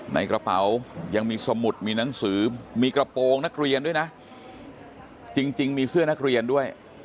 ในกระเป๋ายังมีสมุดมีหนังสือมีกระโปรงนักเรียนด้วยนะจริงมีเสื้อนักเรียนด้วย